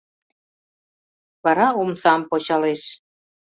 Вара омсам почалеш